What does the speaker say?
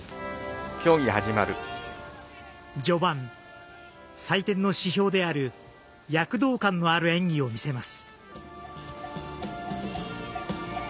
序盤、採点の指標である躍動感のある演技を見せます。